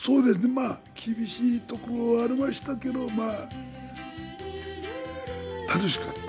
まあ厳しいところはありましたけどまあ楽しかった。